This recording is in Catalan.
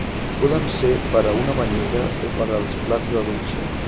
Poden ser per a una banyera o per als plats de dutxa.